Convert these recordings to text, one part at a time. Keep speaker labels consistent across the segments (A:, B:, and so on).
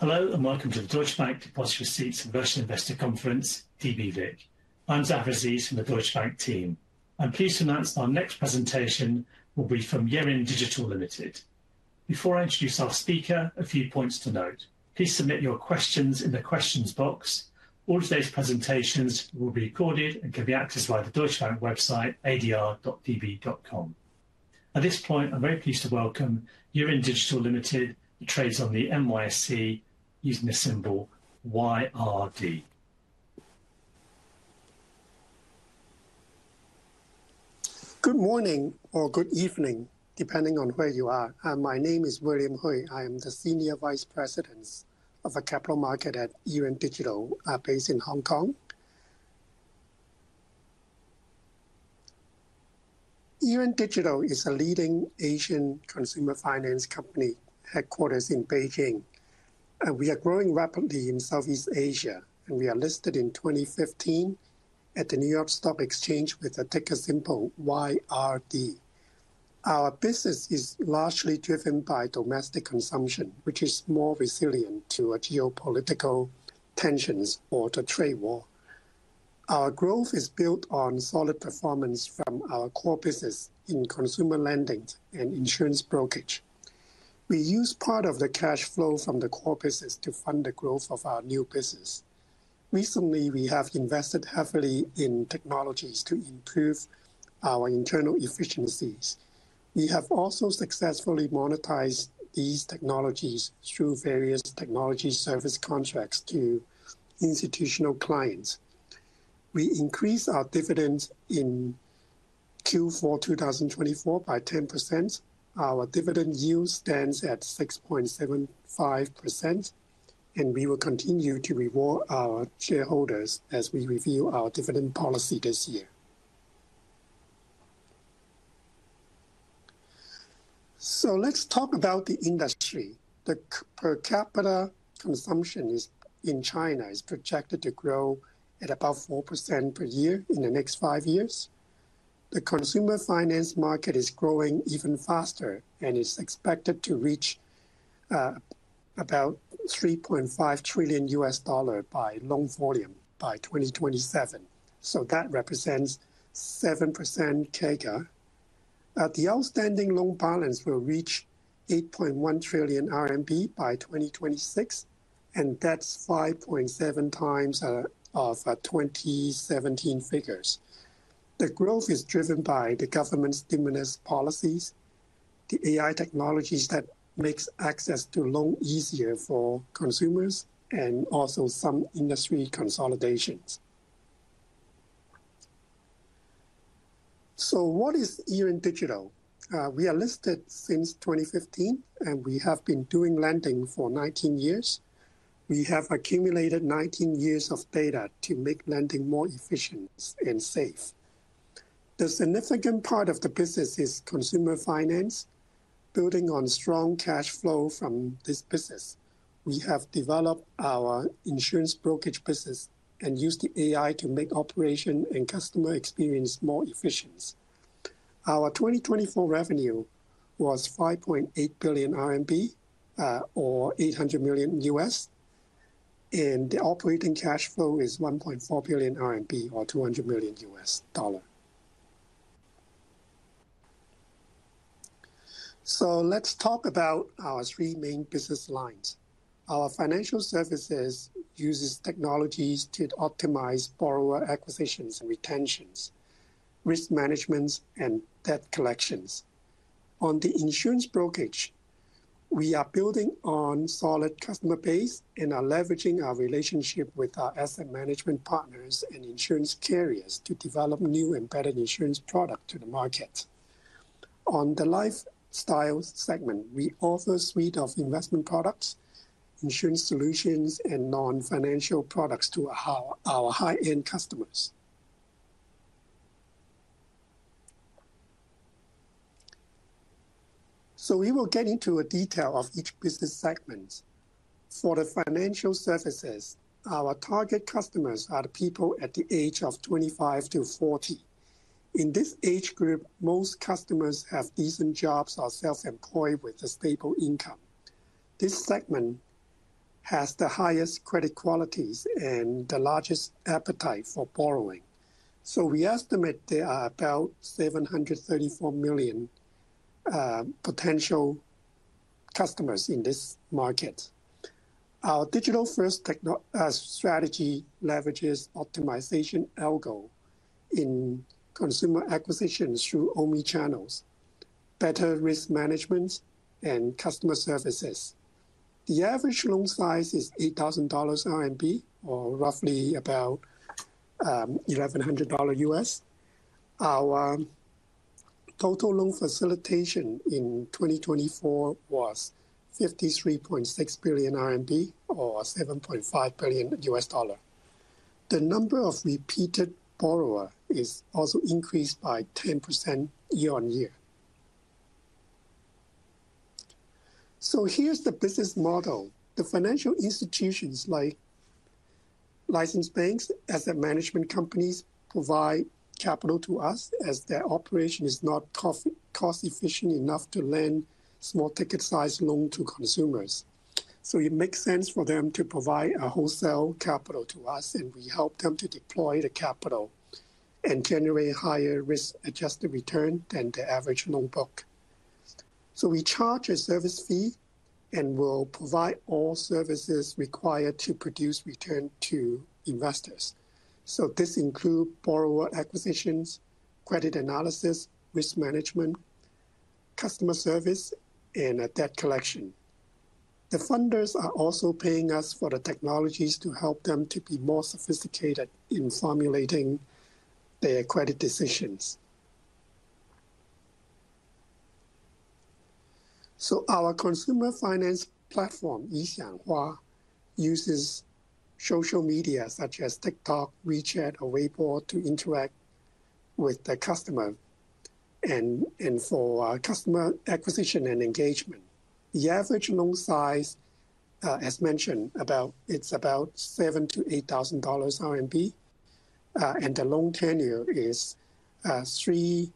A: Hello and welcome to the Deutsche Bank Deposit Receipts Investor Conference, DBVic. I'm Zahra Ziz from the Deutsche Bank team. I'm pleased to announce our next presentation will be from Yiren Digital Limited. Before I introduce our speaker, a few points to note. Please submit your questions in the questions box. All of today's presentations will be recorded and can be accessed via the Deutsche Bank website, adr.db.com. At this point, I'm very pleased to welcome Yiren Digital Limited, that trades on the New York Stock Exchange using the symbol YRD.
B: Good morning or good evening, depending on where you are. My name is William Hui. I am the Senior Vice President of the Capital Market at Yiren Digital, based in Hong Kong. Yiren Digital is a leading Asian consumer finance company, headquartered in Beijing. We are growing rapidly in Southeast Asia, and we are listed in 2015 at the New York Stock Exchange with the ticker symbol YRD. Our business is largely driven by domestic consumption, which is more resilient to geopolitical tensions or the trade war. Our growth is built on solid performance from our core business in consumer lending and insurance brokerage. We use part of the cash flow from the core business to fund the growth of our new business. Recently, we have invested heavily in technologies to improve our internal efficiencies. We have also successfully monetized these technologies through various technology service contracts to institutional clients. We increased our dividends in Q4 2024 by 10%. Our dividend yield stands at 6.75%, and we will continue to reward our shareholders as we review our dividend policy this year. Let's talk about the industry. The per capita consumption in China is projected to grow at about 4% per year in the next five years. The consumer finance market is growing even faster and is expected to reach about $3.5 trillion by loan volume by 2027. That represents 7% CAGR. The outstanding loan balance will reach 8.1 trillion RMB by 2026, and that is 5.7 times the 2017 figures. The growth is driven by the government's stimulus policies, the AI technologies that make access to loan easier for consumers, and also some industry consolidations. What is Yiren Digital? We are listed since 2015, and we have been doing lending for 19 years. We have accumulated 19 years of data to make lending more efficient and safe. The significant part of the business is consumer finance, building on strong cash flow from this business. We have developed our insurance brokerage business and used the AI to make operation and customer experience more efficient. Our 2024 revenue was 5.8 billion RMB, or $800 million, and the operating cash flow is 1.4 billion RMB, or $200 million. Let's talk about our three main business lines. Our financial services use technologies to optimize borrower acquisitions and retentions, risk management, and debt collections. On the insurance brokerage, we are building on a solid customer base and are leveraging our relationship with our asset management partners and insurance carriers to develop new embedded insurance products to the market. On the lifestyle segment, we offer a suite of investment products, insurance solutions, and non-financial products to our high-end customers. We will get into the detail of each business segment. For the financial services, our target customers are the people at the age of 25-40. In this age group, most customers have decent jobs or are self-employed with a stable income. This segment has the highest credit qualities and the largest appetite for borrowing. We estimate there are about 734 million potential customers in this market. Our digital-first strategy leverages optimization algo in consumer acquisitions through online channels, better risk management, and customer services. The average loan size is 8,000 RMB, or roughly about $1,100. Our total loan facilitation in 2024 was 53.6 billion RMB, or $7.5 billion. The number of repeated borrowers is also increased by 10% year on year. Here's the business model. The financial institutions, like licensed banks and asset management companies, provide capital to us as their operation is not cost-efficient enough to lend small ticket-sized loans to consumers. It makes sense for them to provide wholesale capital to us, and we help them to deploy the capital and generate higher risk-adjusted returns than the average loan book. We charge a service fee and will provide all services required to produce returns to investors. This includes borrower acquisitions, credit analysis, risk management, customer service, and debt collection. The funders are also paying us for the technologies to help them to be more sophisticated in formulating their credit decisions. Our consumer finance platform, Yixianghua, uses social media such as TikTok, WeChat, or Weibo to interact with the customer and for customer acquisition and engagement. The average loan size, as mentioned, is about RMB 7,000-8,000, and the loan tenure is 3,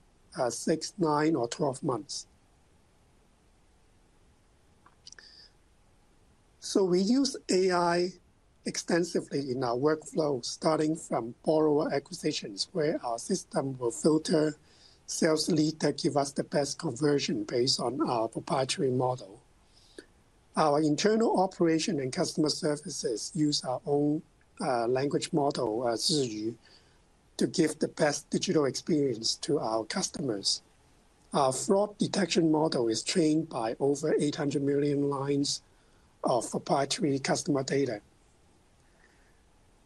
B: 6, 9, or 12 months. We use AI extensively in our workflow, starting from borrower acquisitions, where our system will filter sales leads that give us the best conversion based on our proprietary model. Our internal operation and customer services use our own language model, Zhiyu, to give the best digital experience to our customers. Our fraud detection model is trained by over 800 million lines of proprietary customer data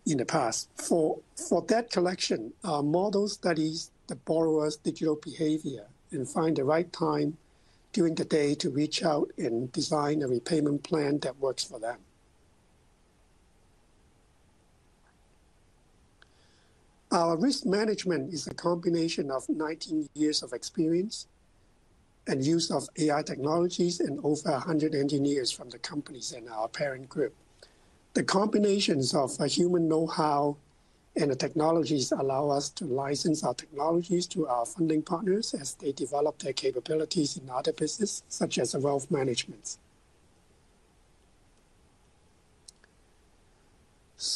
B: in the past. For debt collection, our model studies the borrower's digital behavior and finds the right time during the day to reach out and design a repayment plan that works for them. Our risk management is a combination of 19 years of experience and use of AI technologies and over 100 engineers from the companies and our parent group. The combinations of human know-how and the technologies allow us to license our technologies to our funding partners as they develop their capabilities in other businesses, such as wealth management.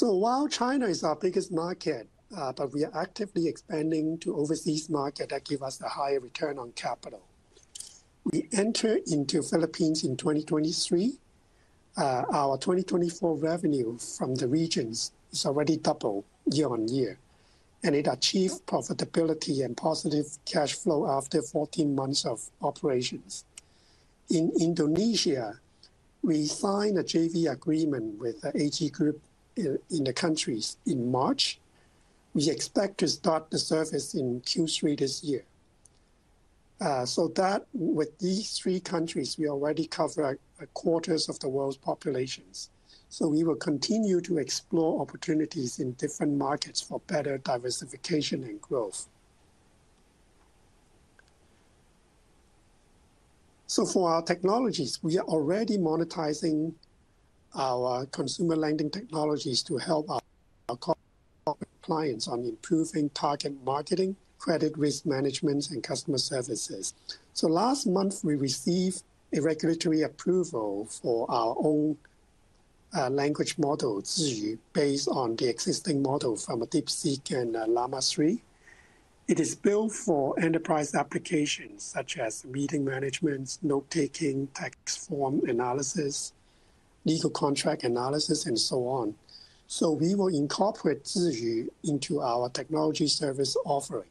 B: While China is our biggest market, we are actively expanding to overseas markets that give us a higher return on capital. We entered into the Philippines in 2023. Our 2024 revenue from the regions has already doubled year on year, and it achieved profitability and positive cash flow after 14 months of operations. In Indonesia, we signed a JV agreement with the AG Group in the countries in March. We expect to start the service in Q3 this year. With these three countries, we already cover a quarter of the world's populations. We will continue to explore opportunities in different markets for better diversification and growth. For our technologies, we are already monetizing our consumer lending technologies to help our clients on improving target marketing, credit risk management, and customer services. Last month, we received regulatory approval for our own language model, Zhiyu, based on the existing model from DeepSeek and Llama 3. It is built for enterprise applications such as meeting management, note-taking, tax form analysis, legal contract analysis, and so on. We will incorporate Zhiyu into our technology service offering.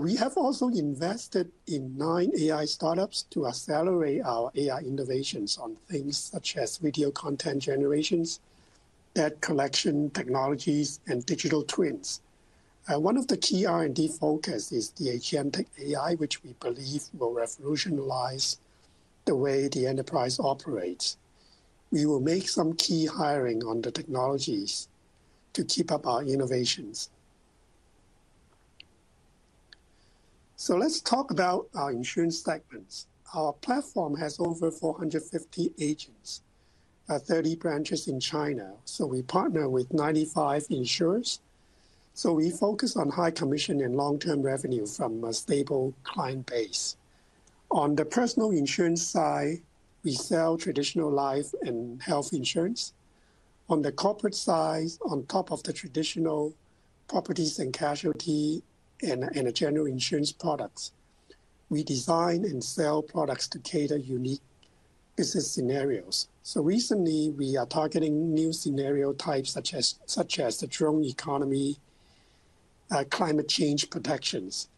B: We have also invested in nine AI startups to accelerate our AI innovations on things such as video content generation, debt collection technologies, and digital twins. One of the key R&D focuses is the Aegean Tech AI, which we believe will revolutionize the way the enterprise operates. We will make some key hiring on the technologies to keep up our innovations. Let's talk about our insurance segments. Our platform has over 450 agents at 30 branches in China. We partner with 95 insurers. We focus on high commission and long-term revenue from a stable client base. On the personal insurance side, we sell traditional life and health insurance. On the corporate side, on top of the traditional property and casualty and general insurance products, we design and sell products to cater to unique business scenarios. Recently, we are targeting new scenario types such as the drone economy and climate change protections.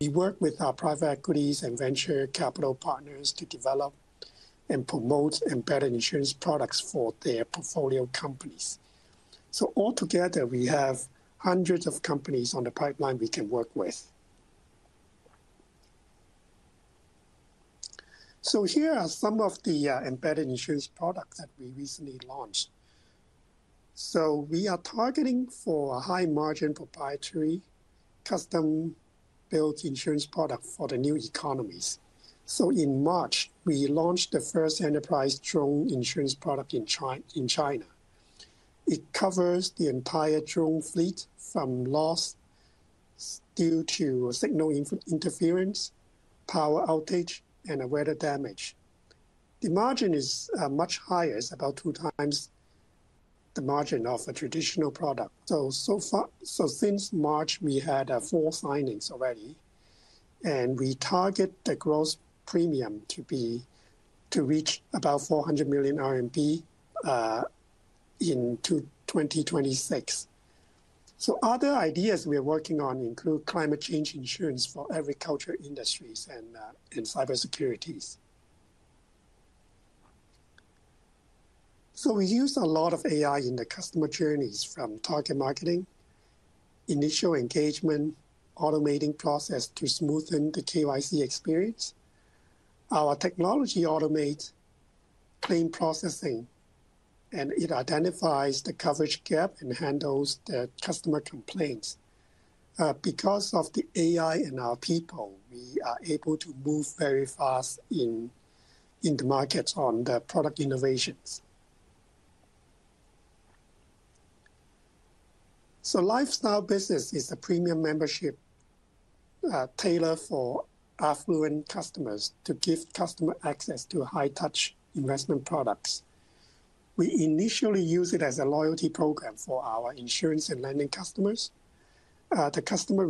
B: We work with our private equities and venture capital partners to develop and promote embedded insurance products for their portfolio companies. Altogether, we have hundreds of companies on the pipeline we can work with. Here are some of the embedded insurance products that we recently launched. We are targeting a high-margin proprietary custom-built insurance product for the new economies. In March, we launched the first enterprise drone insurance product in China. It covers the entire drone fleet from loss due to signal interference, power outage, and weather damage. The margin is much higher, it's about two times the margin of a traditional product. Since March, we had four signings already, and we target the gross premium to reach about 400 million RMB in 2026. Other ideas we are working on include climate change insurance for agriculture industries and cybersecurities. We use a lot of AI in the customer journeys from target marketing, initial engagement, and the automating process to smooth the KYC experience. Our technology automates claim processing, and it identifies the coverage gap and handles the customer complaints. Because of the AI and our people, we are able to move very fast in the markets on the product innovations. Lifestyle Business is a premium membership tailored for affluent customers to give customers access to high-touch investment products. We initially used it as a loyalty program for our insurance and lending customers. The customer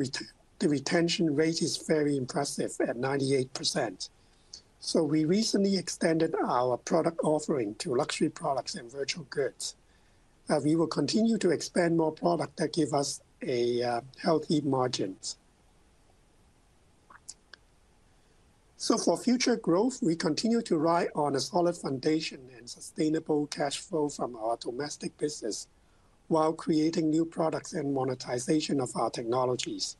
B: retention rate is very impressive at 98%. We recently extended our product offering to luxury products and virtual goods. We will continue to expand more products that give us healthy margins. For future growth, we continue to ride on a solid foundation and sustainable cash flow from our domestic business while creating new products and monetization of our technologies.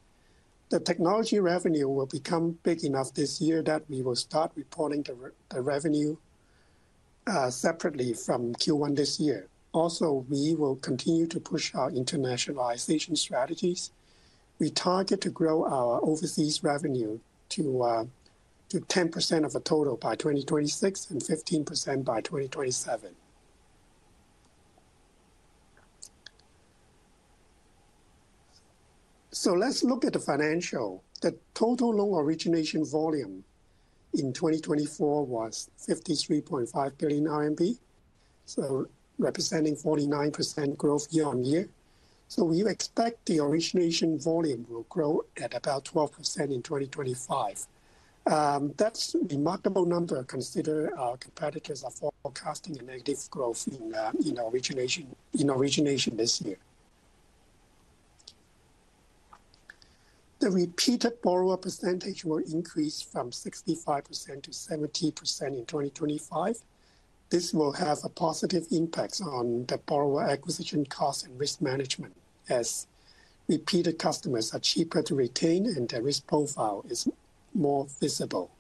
B: The technology revenue will become big enough this year that we will start reporting the revenue separately from Q1 this year. Also, we will continue to push our internationalization strategies. We target to grow our overseas revenue to 10% of the total by 2026 and 15% by 2027. Let's look at the financial. The total loan origination volume in 2024 was 53.5 billion RMB, representing 49% growth year on year. We expect the origination volume will grow at about 12% in 2025. That's a remarkable number considering our competitors are forecasting a negative growth in origination this year. The repeated borrower percentage will increase from 65%-70% in 2025. This will have a positive impact on the borrower acquisition costs and risk management, as repeated customers are cheaper to retain and their risk profile is more visible.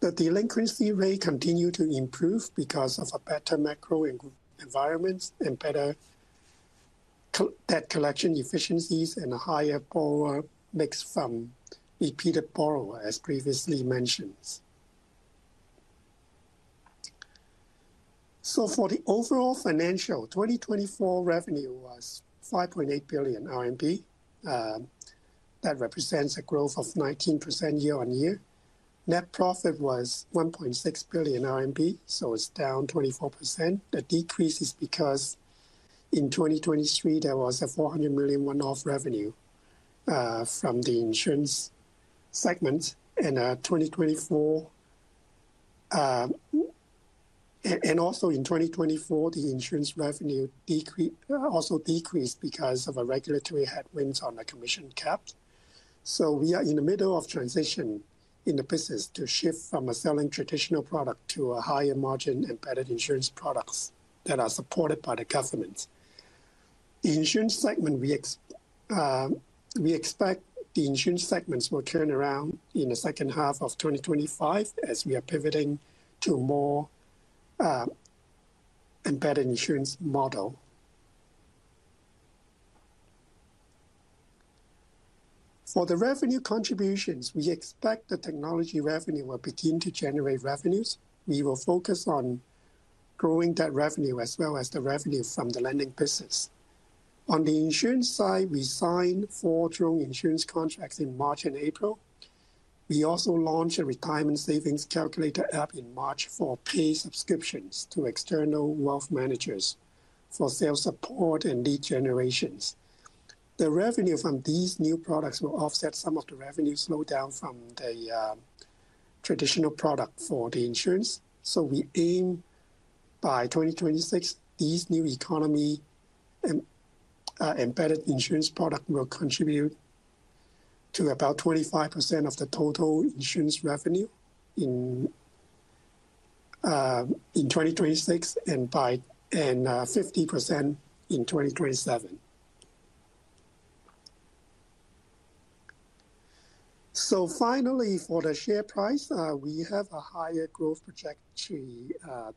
B: The delinquency rate continues to improve because of better macro environments and better debt collection efficiencies and a higher borrower mix from repeated borrowers, as previously mentioned. For the overall financials, 2024 revenue was 5.8 billion RMB. That represents a growth of 19% year on year. Net profit was 1.6 billion RMB, so it's down 24%. The decrease is because in 2023, there was a 400 million one-off revenue from the insurance segment. Also, in 2024, the insurance revenue decreased because of regulatory headwinds on the commission caps. We are in the middle of transitioning in the business to shift from selling traditional products to higher-margin embedded insurance products that are supported by the government. The insurance segment, we expect the insurance segment will turn around in the second half of 2025 as we are pivoting to a more embedded insurance model. For the revenue contributions, we expect the technology revenue will begin to generate revenues. We will focus on growing that revenue as well as the revenue from the lending business. On the insurance side, we signed four drone insurance contracts in March and April. We also launched a retirement savings calculator app in March for pay subscriptions to external wealth managers for sales support and lead generations. The revenue from these new products will offset some of the revenue slowdown from the traditional product for the insurance. We aim by 2026, this new economy embedded insurance product will contribute to about 25% of the total insurance revenue in 2026 and 50% in 2027. Finally, for the share price, we have a higher growth trajectory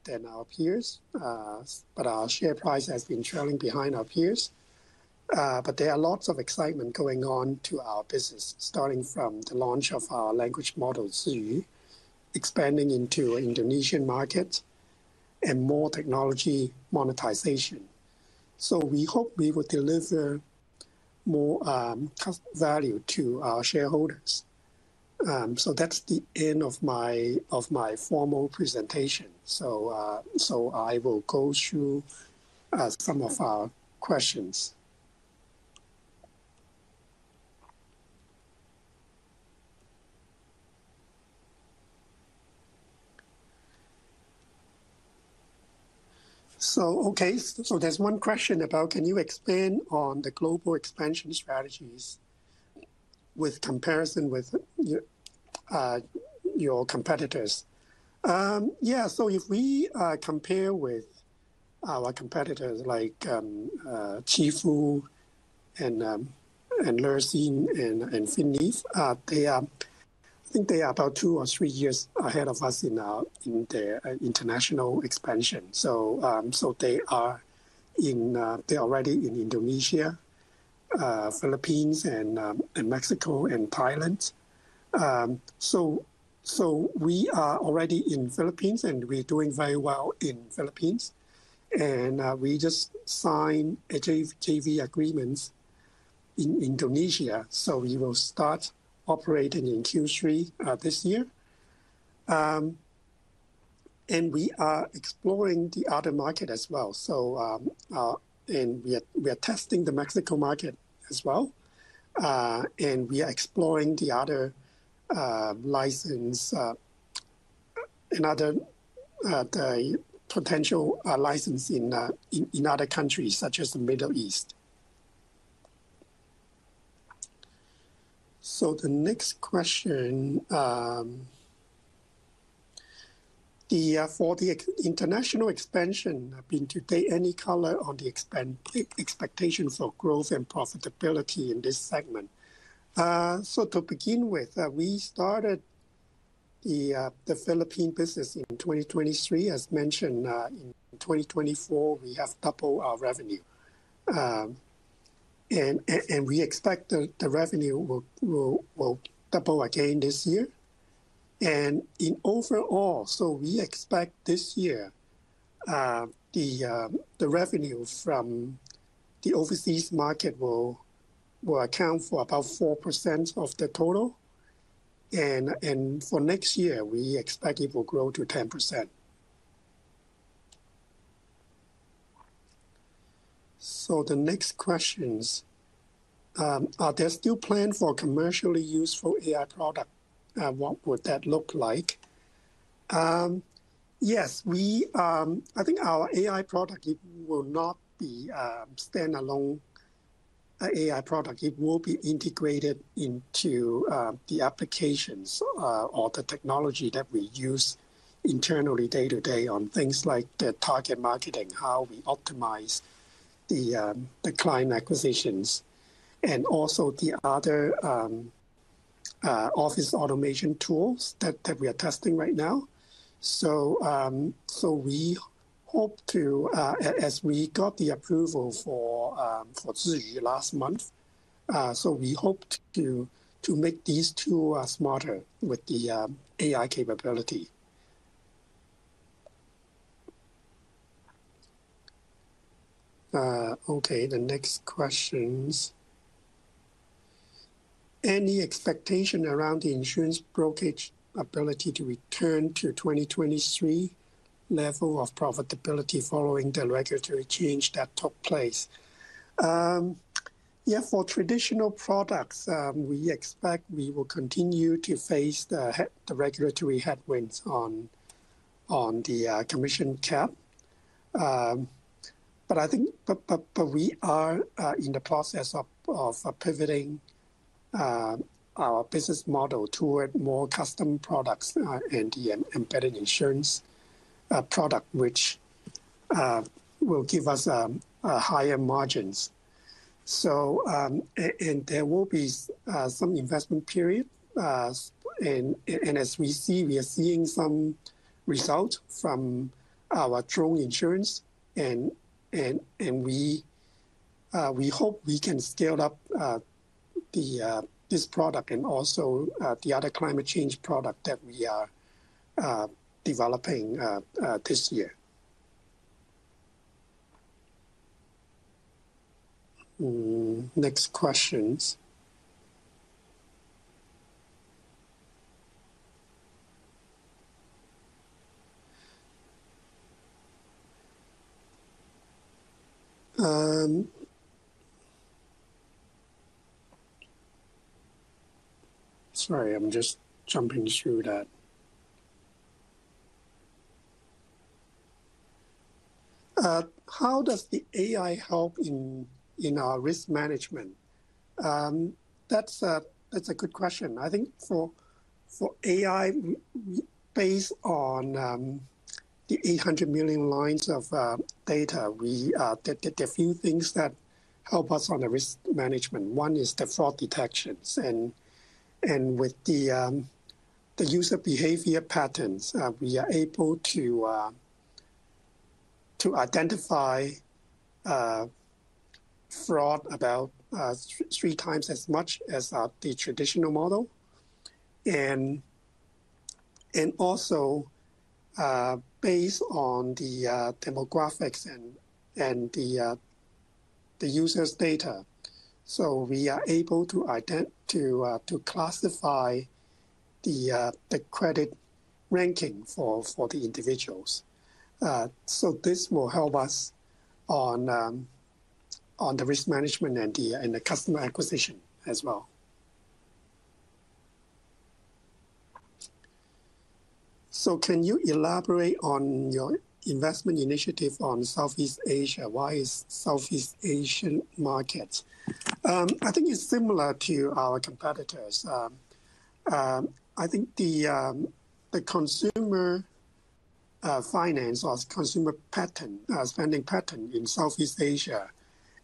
B: than our peers, but our share price has been trailing behind our peers. There are lots of excitement going on to our business, starting from the launch of our language model, Zhiyu, expanding into Indonesian markets and more technology monetization. We hope we will deliver more value to our shareholders. That's the end of my formal presentation. I will go through some of our questions. Okay, there's one question about, can you expand on the global expansion strategies with comparison with your competitors? Yeah, if we compare with our competitors like 360 DigiTech and Lufax Holding and FinVolution Group, I think they are about two or three years ahead of us in their international expansion. They are already in Indonesia, Philippines, Mexico, and Thailand. We are already in the Philippines, and we're doing very well in the Philippines. We just signed JV agreements in Indonesia, so we will start operating in Q3 this year. We are exploring the other market as well, and we are testing the Mexico market as well. We are exploring the other license, another potential license in other countries, such as the Middle East. The next question, for the international expansion, have been to date any color on the expectation for growth and profitability in this segment? To begin with, we started the Philippine business in 2023. As mentioned, in 2024, we have doubled our revenue. We expect the revenue will double again this year. Overall, we expect this year the revenue from the overseas market will account for about 4% of the total. For next year, we expect it will grow to 10%. The next questions, are there still plans for commercially useful AI products? What would that look like? Yes, I think our AI product, it will not be a standalone AI product. It will be integrated into the applications or the technology that we use internally day-to-day on things like the target marketing, how we optimize the client acquisitions, and also the other office automation tools that we are testing right now. We hope to, as we got the approval for Zhiyu last month, make these two smarter with the AI capability. Okay, the next questions, any expectation around the insurance brokerage ability to return to 2023 level of profitability following the regulatory change that took place? Yeah, for traditional products, we expect we will continue to face the regulatory headwinds on the commission cap. We are in the process of pivoting our business model toward more custom products and the embedded insurance product, which will give us higher margins. There will be some investment period. As we see, we are seeing some results from our drone insurance. We hope we can scale up this product and also the other climate change product that we are developing this year. Next questions. Sorry, I'm just jumping through that. How does the AI help in our risk management? That's a good question. I think for AI, based on the 800 million lines of data, there are a few things that help us on the risk management. One is the fraud detections. With the user behavior patterns, we are able to identify fraud about three times as much as the traditional model. Also, based on the demographics and the user's data, we are able to classify the credit ranking for the individuals. This will help us on the risk management and the customer acquisition as well. Can you elaborate on your investment initiative on Southeast Asia? Why is Southeast Asian market? I think it's similar to our competitors. I think the consumer finance or consumer spending pattern in Southeast Asia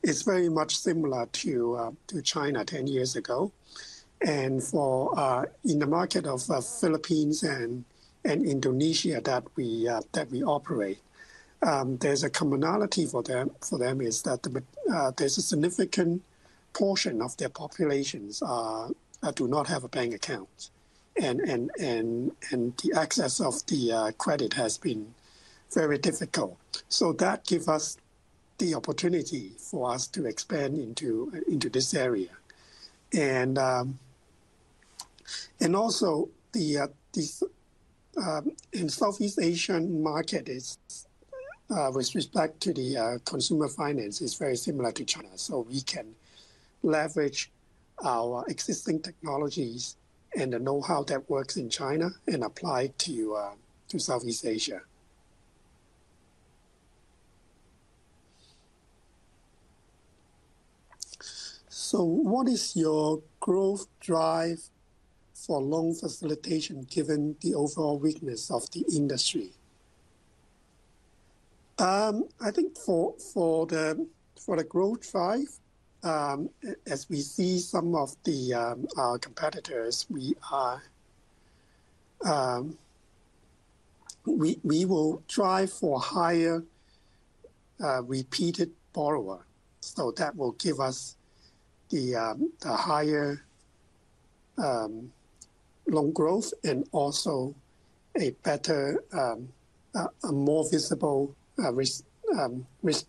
B: is very much similar to China 10 years ago. In the market of Philippines and Indonesia that we operate, there's a commonality for them is that there's a significant portion of their populations that do not have a bank account. The access of the credit has been very difficult. That gives us the opportunity for us to expand into this area. Also, in Southeast Asian market, with respect to the consumer finance, it's very similar to China. We can leverage our existing technologies and the know-how that works in China and apply it to Southeast Asia. What is your growth drive for loan facilitation given the overall weakness of the industry? I think for the growth drive, as we see some of our competitors, we will drive for higher repeated borrowers. That will give us the higher loan growth and also a more visible risk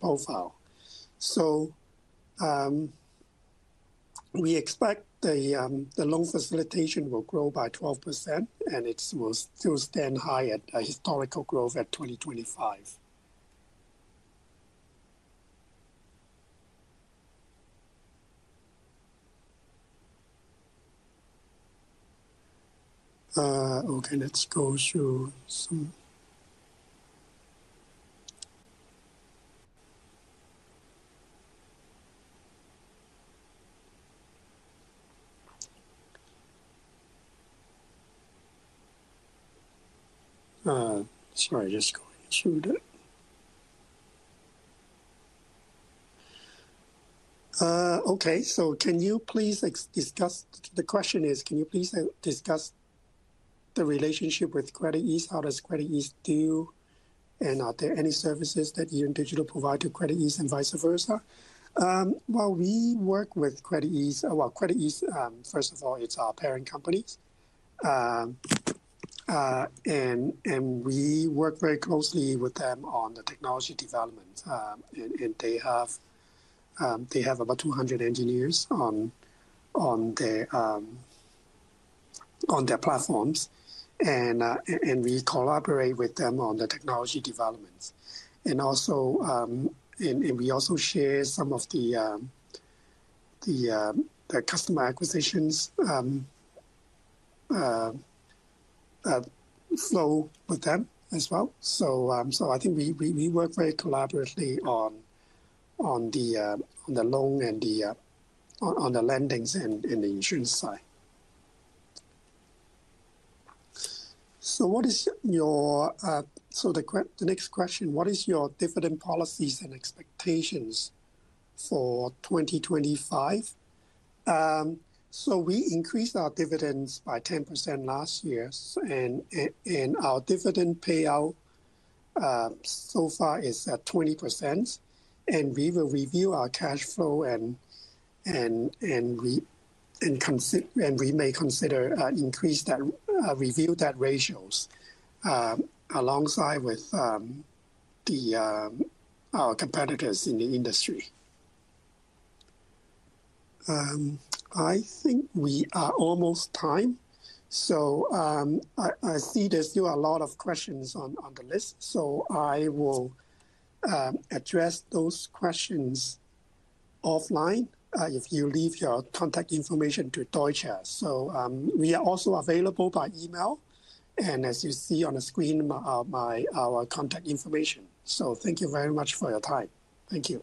B: profile. We expect the loan facilitation will grow by 12%, and it will still stand high at historical growth at 2025. Okay, let's go through some. Sorry, just going through that. Okay, can you please discuss the question is, can you please discuss the relationship with CreditEase? How does CreditEase do? Are there any services that Yiren Digital provides to CreditEase and vice versa? We work with CreditEase. CreditEase, first of all, it's our parent company. We work very closely with them on the technology development. They have about 200 engineers on their platforms. We collaborate with them on the technology developments. We also share some of the customer acquisitions flow with them as well. I think we work very collaboratively on the loan and on the lendings and the insurance side. What is your, the next question, what is your dividend policies and expectations for 2025? We increased our dividends by 10% last year. Our dividend payout so far is at 20%. We will review our cash flow and we may consider increasing that, review that ratios alongside with our competitors in the industry. I think we are almost time. I see there is still a lot of questions on the list. I will address those questions offline if you leave your contact information to Deutsche. We are also available by email. As you see on the screen, our contact information. Thank you very much for your time. Thank you.